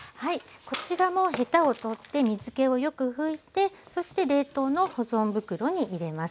こちらもヘタを取って水けをよく拭いてそして冷凍の保存袋に入れます。